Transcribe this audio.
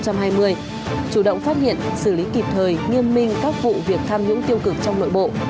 chủ động phát hiện xử lý kịp thời nghiêm minh các vụ việc tham nhũng tiêu cực trong nội bộ